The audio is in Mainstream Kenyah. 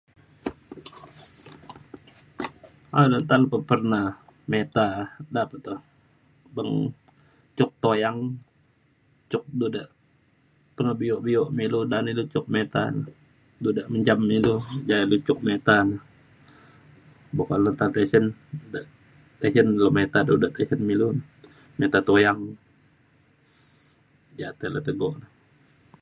[unintelligible] nta pe le pernah mita da pe to beng cuk tuyang cuk du de pengebio bio me ilu na’an cuk ilu mita na du da menjam ilu ja ilu cuk mita na. buk ka le nta tisen da tisen lu mita du de tisen me ilu. mita tuyang ja te le tegok.